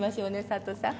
佐都さん。